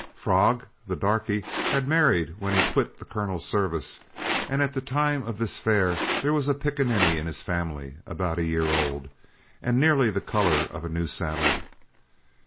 'Frog,' the darky, had married when he quit the colonel's service, and at the time of this fair there was a pickaninny in his family about a year old, and nearly the color of a new saddle.